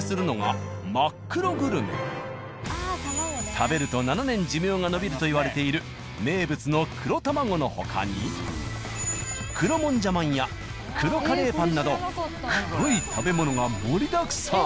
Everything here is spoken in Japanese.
食べると７年寿命が延びるといわれている名物の黒たまごの他に黒もんじゃまんや黒カレーパンなど黒い食べ物が盛りだくさん。